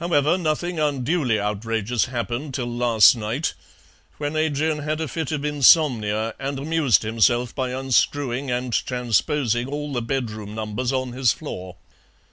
However, nothing unduly outrageous happened till last night, when Adrian had a fit of insomnia and amused himself by unscrewing and transposing all the bedroom numbers on his floor.